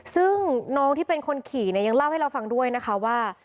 ซึ่งน้องที่เป็นคนขี่เนี่ยยังเล่าให้เราฟังด้วยนะคะว่า